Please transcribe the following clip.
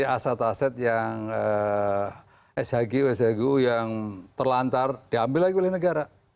aset aset yang shgu shgu yang terlantar diambil lagi oleh negara